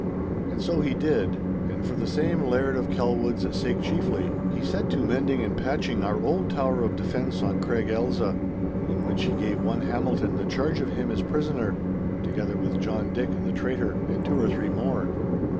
And so he did, and for the same Laird of Kelwood's sake chiefly, he set to mending and patching our old tower of defence on Craig Ailsa, in which he gave one Hamilton the charge of him as prisoner, together with John Dick the traitor and two or three more.